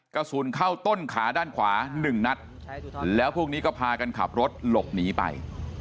กระสุนเข้าต้นขาด้านขวาหนึ่งนัดแล้วพวกนี้ก็พากันขับรถหลบหนีไป